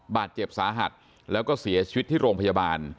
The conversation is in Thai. บาดเจ็บสาหัสแล้วก็เสียชีวิตที่โรงพยาบาล